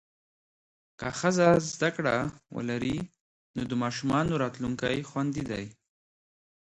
که ښځه زده کړه ولري، نو د ماشومانو راتلونکی خوندي دی.